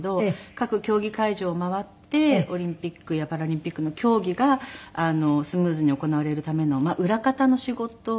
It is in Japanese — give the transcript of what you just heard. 各競技会場を回ってオリンピックやパラリンピックの競技がスムーズに行われるための裏方の仕事なんですね。